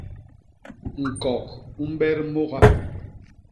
ñkok u mbet môga.